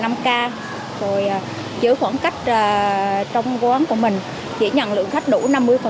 rồi giữ khoảng cách trong quán của mình chỉ nhận lượng khách đủ năm mươi của quán